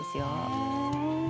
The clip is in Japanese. へえ。